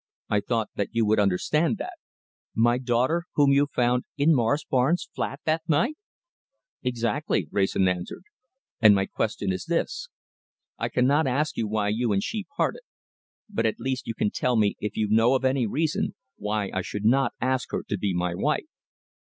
I thought that you would understand that." "My daughter whom you found in Morris Barnes' flat that night?" "Exactly," Wrayson answered, "and my question is this. I cannot ask you why you and she parted, but at least you can tell me if you know of any reason why I should not ask her to be my wife."